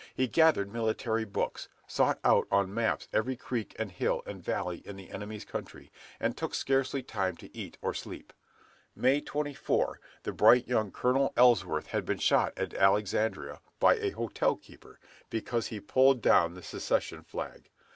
He gathered military books, sought out on maps every creek and hill and valley in the enemy's country, and took scarcely time to eat or sleep. May 24, the brilliant young Colonel Ellsworth had been shot at Alexandria by a hotel keeper, because he pulled down the secession flag.